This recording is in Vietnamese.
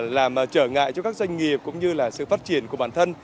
làm trở ngại cho các doanh nghiệp cũng như là sự phát triển của bản thân